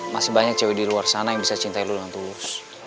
masih banyak cewek di luar sana yang bisa cintai lu dengan tulus